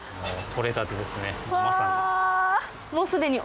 取れたてですね、まさに。